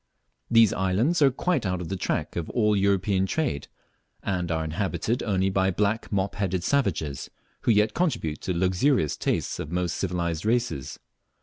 These islands are quite out of the track of all European trade, and are inhabited only by black mop headed savages, who yet contribute to the luxurious tastes of the most civilized races.